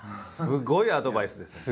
すごいアドバイスで。